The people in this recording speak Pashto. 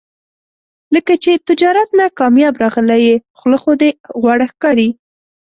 لکه چې تجارت نه کامیاب راغلی یې، خوله خو دې غوړه ښکاري.